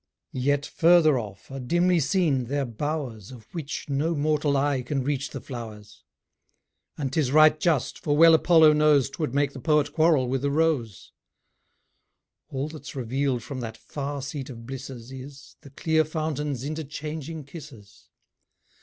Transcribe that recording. Yet further off, are dimly seen their bowers, Of which, no mortal eye can reach the flowers; And 'tis right just, for well Apollo knows 'Twould make the Poet quarrel with the rose. All that's reveal'd from that far seat of blisses, Is, the clear fountains' interchanging kisses.